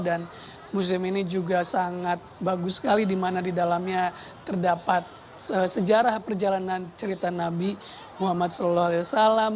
dan museum ini juga sangat bagus sekali di mana di dalamnya terdapat sejarah perjalanan cerita nabi muhammad saw